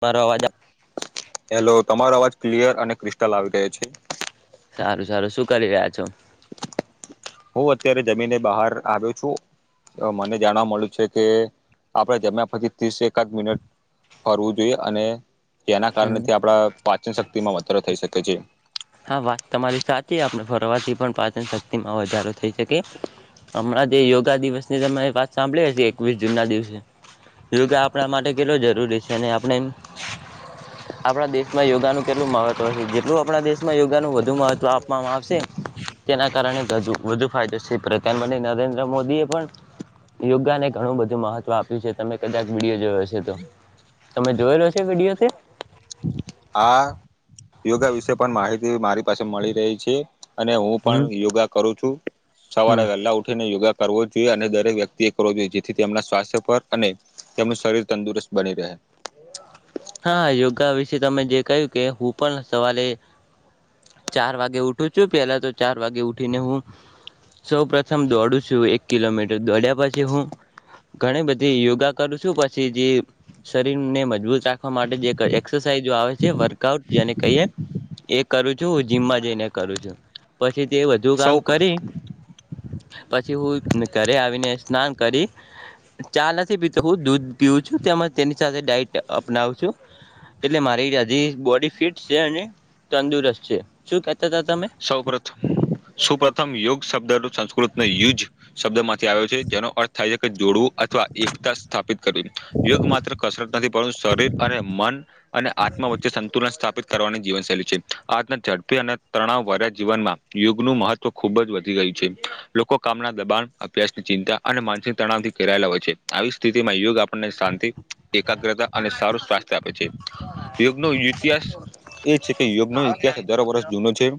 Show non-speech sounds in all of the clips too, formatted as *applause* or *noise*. બરોવાજ hello તમારો અવાજ clear અને ક્રિસ્ટલ આવી ગયો છે. સારું સારું શું કરી રહ્યા છો? હું અત્યારે જમીને બહાર આવ્યો છું મને જાણવા મળ્યું છે કે આપણે જમ્યા પછી ત્રીસ એકાદ મિનિટ ફરવું જોઈએ અને કે એના હમ કારણેથી આપડા પાચન શક્તિ માં વધારો થઈ શકે. *inaudible* હા વાત તમારી સાચી આપણે ફરવાથી પણ પાચન શક્તિમાં વધારો થઈ શકે હમણાં જે યોગા દિવસ ની તમે વાત સાંભળી હ એકવીસ જૂન ના દિવસે યોગા આપણા માટે કેટલો જરૂરી છે અને આપણે આપણા દેશમાં યોગાનું કેટલું મહત્વ છે જેટલું આપણા દેશ માં યોગાનું વધ મહત્વ આપ તમામ આપપશે તેના કારણે વધુ ફાયદો છે પ્રધાનમંત્રી નરેન્દ્ર મોદી એ પણ યોગાને ઘણું બધું મહત્વ આપ્યું છે તમે કદાચ વિડીયો જોયો છે તો તમે જોયેલો છે વિડીયો આ યોગા વિશે પણ માહિતી મારી પાસે મળી રહી છે. અને હું પણ હમ યોગા કરું છું. હમ સવારે વેલ્લા ઉઠીને યોગા કરવો જોઈએ અને દરેક વ્યક્તિએ કરવો જોઈએ જેથી તેમના સ્વાસ્થ્ય પર અને તેમનું શરીર તંદુરસ્ત બની રહે. હા યોગા વિશે તમે જે કહ્યું કે હું પણ સવારે ચાર વાગે ઉઠું છું પેલા તો ચાર વાગે ઉઠીને હું સૌ પ્રથમ દોડું છું એક કિલોમીટર દોડ્યા. પછી હું ઘણી બધી યોગા કરું છું પછી જે શરીરને મજબૂત રાખ હા માટે *unintelligible* એરસાઝ આવે છે વર્કઆઉટ જેને કહીએ. એ કરું છું જીમમાં જઈને કરું છું પછી તે વધુ કામ સૌ કરી પછી હું ઘરે આવીને સ્નાન કરી ચા નથી પીતો હું દૂધ પીઉું છું તેમ તેની સાથે ડાટ અપનાવ એટલે મારી બોડી ફિટ છે અને તંદુરસ્ત છે શું ક સૌ પ્રથમ સુપ્રથમ યોગ શબ્દ સંસ્કૃત યુ શબ્દ માંથી આવ્યો છે જેનો અર્થ થાય છે કે જોડવું અથવા એકતા સ્થાપિત કરવી યોગ માત્ર કસરત નથી પર શરીર અને મન અને આત્મા વચ્ચે સંતુલન સ્થાપિત કરવાની જીવનશૈલી છે આ ઝડપી અને તણાવ વા્યા જીવનમાં યુગનું મહત્વ ખુબ જ વધી ગયું છે લોકો કામના દબાણ અભ્યાસની ચિંતા અને માનસિક તણાવ થી કરાયેલા હોય છે આવી સ્થિતિમાં યુગ આપણને શાંતિ એકાગ્રતા અને સારું સ્વાસ્થ્ય આપે છે યોગનો ઇતિહાસ એ છે કે યોગનો ઇતિહાસ દર વર્ષ જૂનો છે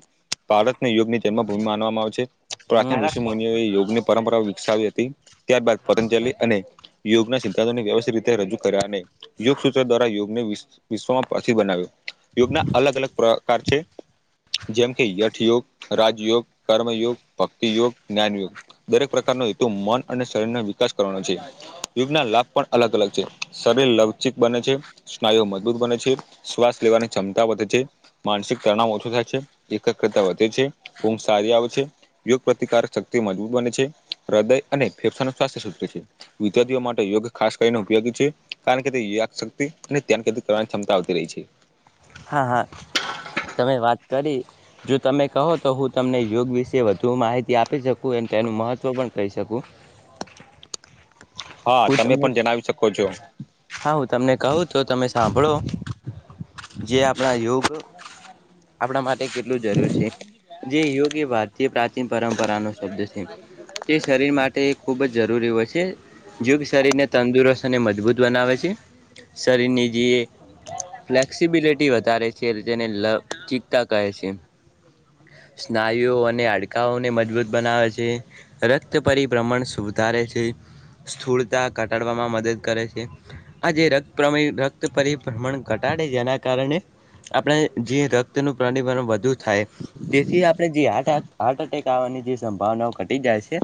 ભારતને યોગની જન્મભૂમિ માનવામાં આવે છે પ્રાચીન ઋષિ હમ મુનિઓએ યોગની પરંપરાઓ વિકસાવી હતી ત્યારબાદ પતંજલલી અને યોગના સિદ્ધાંતોની વ્યવસ્થિત રી રજૂ કર્યા નહી. યોગ સૂત્ર દ્વારા યોગને વિશ્વમાં પછ બનાવ્યો યોગના અલગ અલગ પ્રકાર છે. જેમ કે યઠયોગ, રાજયોગ કર્મયોગ ભક્તિયોગ જ્ઞાન યોગ દરેક પ્રકારનો હેતુ મન અને શરીરનો વિકાસ કરવાનો છે યુગના લાભ પણ અલગ અલગ છે શરીર લવચિક બને છે સ્નાયુ મજબૂત બને છે શ્વાસ લેવાની ક્ષમતા વધે છે માનસિક તણાવ ઓછો થાય. છે એક વધે છે આવે છે યોગ પ્રતિકારક શક્તિ મજબૂત બને છે હદય અને ફેફસા સ્સ્થ્ય છે વિદ્યાર્થીઓ માટે યોગ ખાસ કરીને ઉપયોગી છે કારણ કે તેક્ અને્યાન કરવાની ક્ષમતા આવતી રહી છે. હા હા તમે વાત કરી જો તમે કહો તો હું તમને યોગ વિશે વધુ માહિતી આપી શકું અને તેનું મહત્વ પણ કહી શકું? હા હું તમે તમને પણ જણાવી શકો છો. હા હું તમને કહું તો તમે સાંભળો. જે આપણા યોગ આપણા માટે કેટલું જરૂરી છે જે યોગ એ ભારતીય પ્રાચીન પરંપરાનો શબ્દ છે તે શરીર માટે ખૂબ જ જરૂરી હોય છે ગ શરીરને તંદુરસ્ત અને મજબૂત બનાવે છે શરીરની જે ફ્લેક્સિબિલિટી વધારે છે તેને લચિકતા કહે છે સ્નાયુઓ અને હાડકાઓને મજબૂત બનાવે છે રક્ત પરિભ્રમણ સુધારે છે સ્થૂળતા ઘટાડવામાં મદદ કરે છે આ જે રક્ત રક્ત પરિભ્રમણ ઘટાડે જેના કારણે આપણે જે રક્તનું પ્ર વધુ થાય તેથી આપણે હ ની જે સંભાવનાઓ ઘટી જાય છે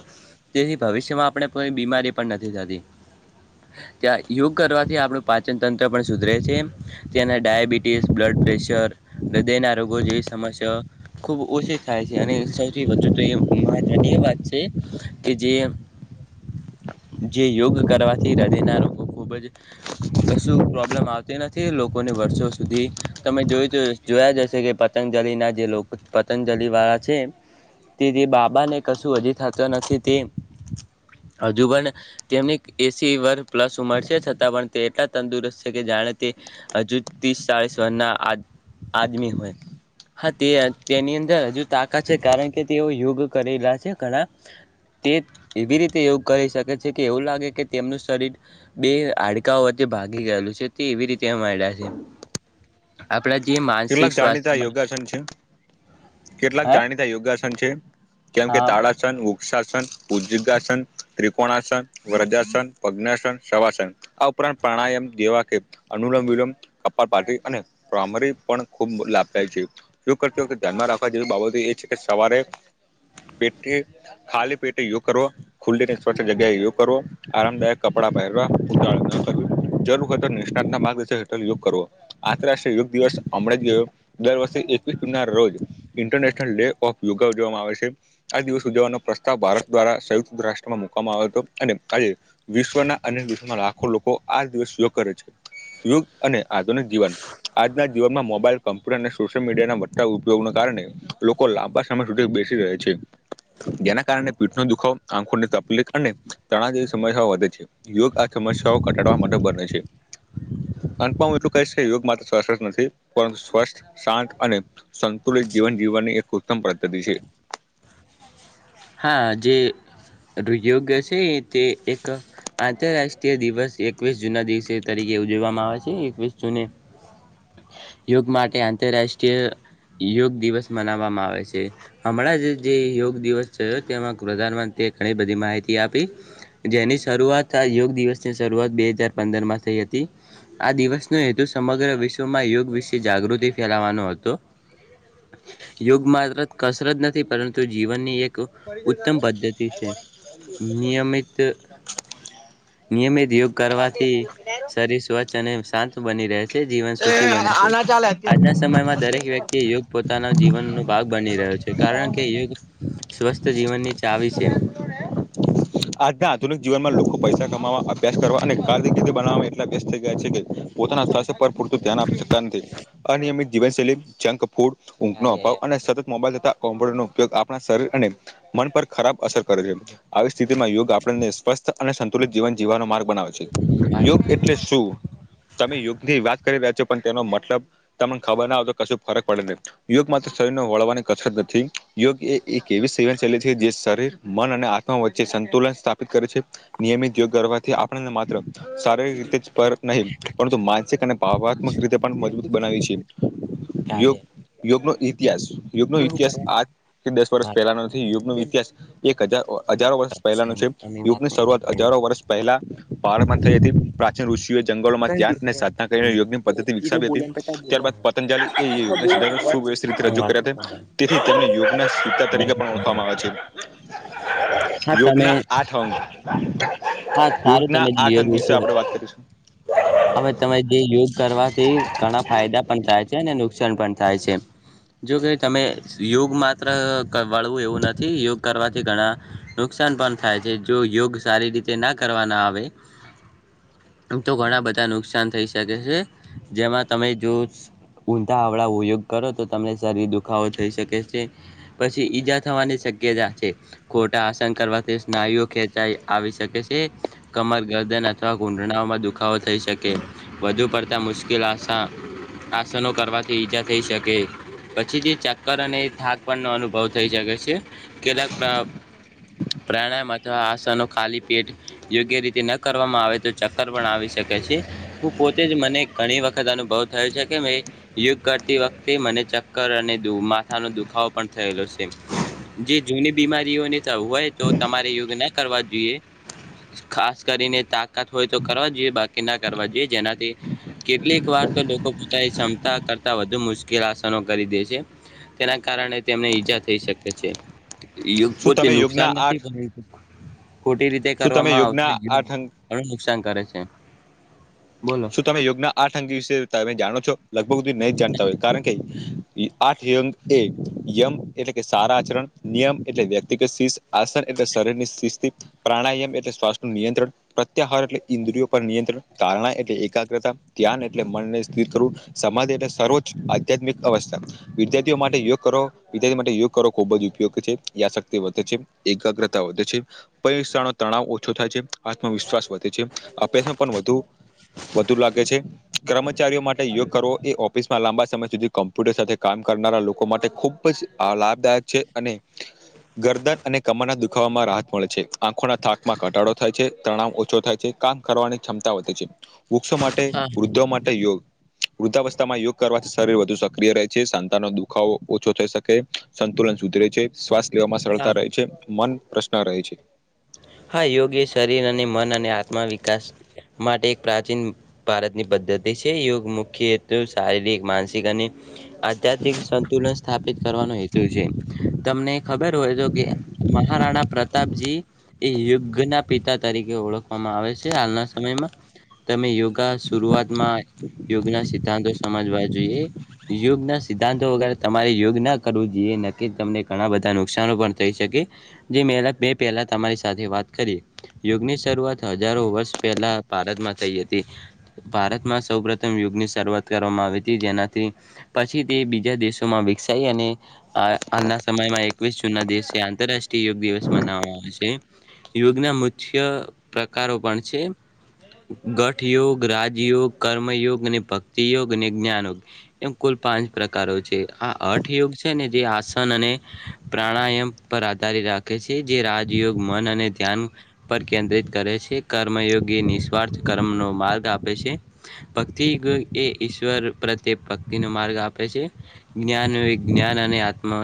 તેથી ભવિષ્યમાં આપણે પણ નથી થતી ત્યા યોગ કરવાથી આપણું પાચન તંત્ર પણ સુધરે છે તેને ડાયાબિટીસ બ્લડ પ્રેશર હૃદય ના રોગો જેવી સમસ્યા ખુબ ઓછી થાય છે અને સૌથી વધુ તો એ મહત્વની એ વાત છે કે જે જે યોગ કરવાથી હૃદયના લોકો ખૂબ જ કશું પ્રોબ્લેમ આવતી નથી લોકોને વર્ષો સુધી તમે જો જોયા જશે કે પતંજલના જે લોકો પતંજલ વાળા છે તે જે બાબાને કશું હજી થત નથી તે હજુ પણ તેમની એસી વર્ગ પ્લસ ઉંમર છે છતાં પણ તે એટલા તંદુરસ્ત છે કે જાણે તે હજુ ત્રીસ ચાળસ વરના આ આદમી હોય હા તે તેની અંદર હજુ તાકાત છે કારણ કે તેઓ યોગ કરેલા છે ઘણા તે એવી રીતે યોગ કરી શકે છે કે એવું લાગે કે તેમનું શરીર બે હાડકાઓ વચ્ચે ભાગી ગયેલું છે તે એવી રીતે મળ્યા છે આપણા જે કેટલાક માનસિક જાણીતા સ્વાસ્થ્યમાં યોગાસન છે કેટલાક હા જાણીતા યોગાસન છે કેમ કે હા તાળાસન પાસન ત્રિકોણાસન વ્રજાસન પજ્ઞાસન સવાસન આ ઉપરાંત પ્રાણાયામ જેવા કે અનુલમ વિલમ કપાલ પા અનેરી પણ ખૂબ લાભદાય છે યોગ કરતીખતે ધ્યાનમાં રાખવા જેવી બાબતો એ છે કે સવારે પટે ખાલી પેટે યોગવો ખુલ્લી ને સ્વચ્ જગ્યાએ યોગ કરવો આરામદાયક કપડાં પહેર ્ મા હેઠળ યોગ કરવો આંતરરાષ્ટ્રીય યોગ દિવસ દ વર્ષે એકવીસ જૂન ના રોજ ઇન્ટરનેશનલ ડે ઓફ યોગા ઉજવામાં આવે છે આ દિવસ ઉજવવાનો પ્રસ્તાવ ભારત દ્વારા સંયુક્ત રાષ્ટ્રમાં મુકવામાં આવ્યો હતો અને આજે વિશ્વના અનેક દેશોમાં લાખો લોકો આ દિવસ યોગ કરે છે યોગ અને આધુનિક જીવન આજના જીવનમાં મોબાઈલ કમ્પ્યુટર અને સોશિયલ મીડિયાના વધતા ઉપયોગના કારણે લોકો લાંબા સમય સુધી બેસી રહે છે જેના કારણે પીઠનો દુખાવો આંખોની તકલીફ અને તણ જેવી સમસ્યા વધે છે યોગ આ સમસ્યાઓ ઘટાડવા માટે બને છે અંકમાં એટલું કઈ છે યોગ માત્ર સરસસ નથી પરંતુ સ્વસ્થ શાંત અને સંતુલિત જીવન જીવવાની એક ઉત્તમ પદ્ધતિ છે હા જે યોગ છે તે એક આંતરરાષ્ટ્રીય દિવસ એકવીસ જૂના દિવસે તરીકે ઉજવવામાં આવે છે એકવીસ જૂને યોગ માટે આંતરરાષ્ટ્રીય યોગ દિવસ મનાવવામાં આવે છે હમણાં જ જે યોગ દિવસ જો તેમાં પ્રધાનમંત્રીએ ઘણી બધી માહિતી આપી જેની શરૂઆત યોગ દિવસની શરૂઆત બે હજાર પંદરમાં થઈ હતી આ દિવસનો હેતુ સમગ્ર વિશ્વમાં યોગ વિશે જાગૃતિ ફેલાવાનો હતો યોગ માત્ર કસરત નથી પરંતુ જીવનની એક ઉત્તમ પદ્ધતિ છે નિયમિત નિયમિત યોગ કરવાથી શરીર સ્વચ્છ અને શાંત બની રહે છે જીવન સુખી બને છે આજના સમયમાં દરેક વ્યક્તિ યોગ પોતાના જીવનનો ભાગ બની રહ્યો છે કારણ કે યોગ સુસ્ત જીવનની ચાવી છે એ એમાં લોકો પૈસા કમાવા અભ્યાસ કરવા અને કાર્િક રીતે બનાવવા વયસત થઈ ગયા છે પોતાના સ્થળસે પરપૂતો ધ્યાન આપ શકતા નથી અને અમિત જીવનશૈલી ચંક ફૂડ, ઊંઘનો અભાવ કાર્ય અને સતત મોબાઈલ થતા કોમ્પટર નો ઉપયોગ આપણા શરીર અને મન પર ખરાબ અસર કરે છે. આવી સ્થિતિમાં યોગ આપણને સ્વસ્થ અને સંતુલિત જીવન જીવવાનો માર્ગ બનાવે છે. વાત યોગ એટલે શું તમે યોગ થી વાત કરી રહ્યા છો પણ તેનો મતલબ? તમને ખબર ના હો તો કશ ફરક પડે નહી. યોગ માત્ર શરીરને વળવાની કસરત નથી, યોગ એ એક એવી સેવન શૈલી છે જે શરીર, મન અને આત્મા વચ્ચે સંતુલન સ્થાપિત કરે છે, નિયમિત યોગ કરવાથી આપણને માત્ર શારીરિક રીતે જ ફરક નહીં પરંતુ મા જે તમે પાવાબાગ માં રીતે પણ મજબ એ છે. યોગ, કાર્ય યોગ નો ઇતિહાસ યુગનો ઇતિહાસ આઠ કે દસ વર્ષ વાત પહેલાનો નથી, યુગો ઇતિહાસ એક હજ હજારો વર્ષ પહેલાનો છે. એની વાત યુગની શરૂઆત હજારો વર્ષ પહેલા પહાડમાં થઈ હતી. પ્રાચીન ઋષિઓએ જંગલોમાં ધ્યાન અને સાધના કરીને યોગની પદ્ધતિ વિકસાવી હતી. ત્યારબાદ પતંજલ યુગના સુવ્યવસ્થિત રીતે રજૂ કર્યા. તેથી તેમને યોગના સતા તરીકે પણ ઓળખવામાં આવે છે. હા તમે યોગના આઠ અંગ હા સારું યોગના તમે આઠ લીઓ અંગ વિશે વાત આપણે કરીશું અમે તમે જે યોગ કરવાથી ઘણા ફાયદા પણ થાય છે ને નુકસાન પણ થાય છે. જોકે તમે યોગ માત્ર વળવું એવું નથી, યોગ કરવાથી ઘણા નુકસાન પણ થાય છે. જો યોગ સારી રીતે ના કરવાના આવે તો ઘણા બ ધા નુકસાન થઈ શકે છે. જેમાં તમે જો ઊંધા અવળા ઉપયોગ કરો તો તમને શરીર દુખાવો થઈ શકે છે. પછી ઈજા થવાની શક્યતા છે ખોટા આસન કરવાથી સ્નાયુઓ ખેંચાઈ આવી શકે છે કમર, ગર્દન અથવા ઘુંટણામાં દુખાવો થઈ શકે. વધુ પડતા મુશ્કેલ આસ આસનો કરવાથી ઈજા થઈ શકે પછી તે ચક્કર અને થાક પણનો અનુભવ થઈ શકે છે. કેટક પ્રાણાયામ અથવા આસનો ખાલી પેટ યોગ્ય રીતે ન કરવામાં આવે તો ચક્કર પણ આવી શક કે છે. હું પોતે જ મને ઘણી વખત અનુભવ થયો છે કે મે યોગ કરતી વખતે મને ચક્કર અને માથાનો દુખાવો પણ થયેલો છે. જે જૂની બીમારીઓની હોય તો તમારે યોગ ના કરવા જોઈએ ખાસ કરીને તાકાત હોય તો કરવા જોઈએ બાક ના કરવા જોઈએ. જેનાથી કેટલીક વાર તો લોકો પોતાની ક્ષમતા કરતા વધુ મુશ્કેલ આસનો કરી દે છે. તેના કારણે તેમને ઈજા થઈ શકે છે. યોગ શું પોતે તમે નુકસાન યોગના નથી આઠ ખોટી રીતે શું તમે કરવામાં આવતો યોગના યુગ આઠ અંગ ઘણું નુકસાન કરે છે. બોલો શું તમે યોગના આઠ અંગ વિશે તમે જાણો છો? બુધી નહી જાણતા હોય. કારણ કે આઠ યંગ એ યમ એટલે કે સારા આચરણ, નિયમ એટલે વ્યક્તિગત શીષ આસન એટલે શરીર ની શિસ્ પ્રાણાયામ એટલે શ્વાસ નું નિયંત્રણ, પ્રત્યાહાર એટલે ઇન્દ્રિયો પર નિયંત્રણ, તારણા એલે એકાગ્રતા, ધ્યાન એટલે મનને સ્થિર કરવું, સમાજ એટલે સર્વોચ્ચ આધ્યાત્મિક અવસ્થા. વિદ્યાર્થીઓ માટે યોગ કરો વિદ્યાર્થી માટે યોગ કરો ખુબ જ ઉપયોગ છે. યાશક્તિ વધે છે, એકાગ્રતા વધે, છેક્ષા તણાવ ઓછો થાય છે, આત્મવિશ્વાસ વધે છે, અભ્યાસમાં પણ વધુ વધુ લાગે છે, કર્મચારીઓ માટે યો કરવો એ ઓફિસમાં લાંબા સમય સુધી કોમ્પ્યુટર સાથે કામ કરનારા લોકો માટે ખુબજ લાભદાયક છે, અને ગરદન અને કમરના દુખામાં રાહત મળે છે, આંખોના થાકમાં ઘટાડો થાય છે, તણાવ ઓછો થાય છે, કામ કરવાની ક્ષમતા વધે છે. વૃક્ષો માટે, હા વૃદ્ધો માટે યોગ. વૃદ્ધાવસ્થામાં યોગ કરવાથી શરીર વધુ સક્રિય રહે છે, સાતાનો દુખાવો ઓછો થઈ શકે સંતુલન શુદધ રહે છે, સ્ લેવામાં સરળતા હા રહે છે, મન પ્રશ્ન રહે છે. હા, યોગ એ શરીર અને મન અને આત્મા વિકાસ માટે એક પ્રાચીન ભારતની પદ્ધતિ છે, યોગ મુખ્ય હેતુ શારીરિક માનસિક અને આધ્યાત્મિક સંતુલન સ્થાપિત કરવાનો હેતુ છે. તમને ખબર હોય, તો કે મહારાણા પ્ર તાપજી એ યોગના પિતા તરીકે ઓળખવામાં આવે છે. હાલના સમયમા તમે યોગા શરૂઆતમા યોગના સિદ્ધાંતો સમજવા જોઈએ, યોગના સિદ્ધાંતો વગરે તમારે યોગના કરવુ જોઈએ ન તમને ઘણા બધા નુકસાન પણ થઈ, શકે જે બે પહેલા તમારી સાથે વાત કરીએ યોગની શરૂઆત હજારો વર્ષ પહેલા ભારતમાં થઈ હતી. ભારતમાં સૌ પ્રથમ યોગની શરૂઆત કરવામાં આવી હતી, જેનાથી પછી તે બીજા દેશોમાં વિકસાઈ અને હાલના સમયમાં એકવીસ જૂનના દિવસે આંતરરાષ્ટ્રીય યોગ દિવસ મનાવામાં છે. યોગના મુખ્ય પ્રકારો પણ છે. ગઠયોગ, રાજયોગ, કર્મયોગ, અને ભક્તિ યોગ, અને જ્ઞાન. એમ કુલ પાંચ પ્રકારો છે, આ અઠ યોગ છે, ને જે આસન અને પ્રાણાયામ પર આધાર રાખે છે. જે રાજયોગ મન અને ધ્યાન પર કેન્દ્રિત કરે છે. કર્મયોગી નિસ્વાર્થ કર્મનો માર્ગ આપે છે, ભક્તિ એ ઈશ્વર પ્રત્યે માર્ગ આપે છે, જ્ઞાન વિજ્ઞાન અને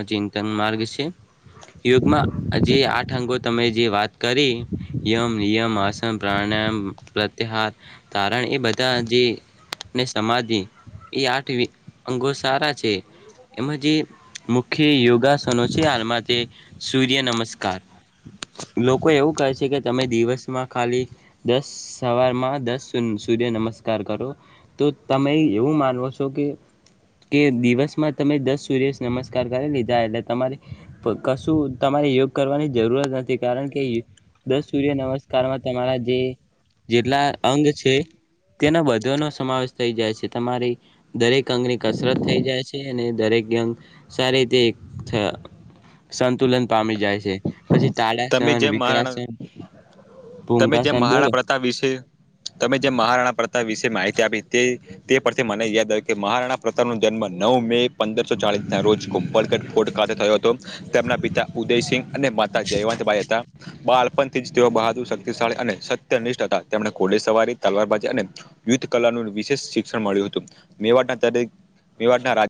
ચિંતન માર્ગ છે, યુગમાં જે આઠ અંગો તમે જે વાત કરી યમ નિયમ આસન પ્રાણાયામ, પ્રત્યાહાર તારણ એ બધા જે ને સમાધિ એ આઠ અંગો સારા છે. એમાં જે મુખ્ય યોગાસનો છે, હાલમા તે સૂર્ય નમસ્કાર લોકો એવું કહે છે, કે તમે દિવસમાં ખાલી દસ સવારમાં દસ સૂર્ય નમસ્કાર કરો, તો તમે એવું માનવો છો, કે દિવસમા તમે દસ સૂર્ય નમસ્કાર કરી લીધા એટલે તમારે કશું, તમારે યોગ કરવાની નથી, કારણ કે દસ સૂર્ય નમસ્કારમાં તમારા જે જેટલા અંગ છે, તેના બધોનો સમાવેશ થઈ જાય છે, તમારે દરેક અંગની કસરત થઈ જાય છે, અને દરેક અંગ સારી રીતે આસંતુલન પામી જાય છે. પછી તમે તાળાસન જેમ મહારાણા વિકરાસન તમે જેમ ભૂંગાસન બોલો મહારાણા પ્રથા વિશે, તમે જેમ મહારાણા પ્રથા વિશે માહિતી આપી તે પરથી મને યાદ કે મહારાણા પ્રતાનો, જન્મ નવ મે પંદરસો ચાડીસના રોજ, કોપલકટ ફોર્ટ થયો હતો, તેમના પિતા ઉદયસિંહ અને માતા જયવંતબાઈ હતા, બાળપણથી જ તેઓ બહાદુર શક્તિશાળી અને સત્યનિષ્ઠ હતા, તેમને ઘોડે સવારી તલવારબાજી અને યુદ્ધ કલાનું વિશેષ શિક્ષણ, મળ્યું હતું. *unintelligible* *unintelligible* રાજ.